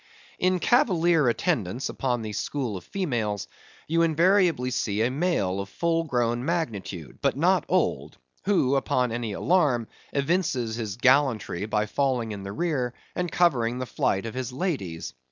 In cavalier attendance upon the school of females, you invariably see a male of full grown magnitude, but not old; who, upon any alarm, evinces his gallantry by falling in the rear and covering the flight of his ladies.